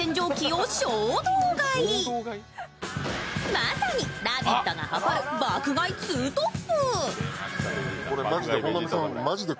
まさに「ラヴィット！」が誇る爆買いツートップ。